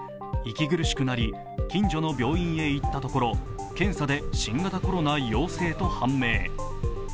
息苦しくなり近所の病院へ行ったところ検査で新型コロナ陽性と判明。